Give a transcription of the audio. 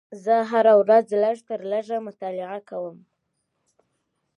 زه هره ورځ لږ تر لږه یو څه مطالعه کوم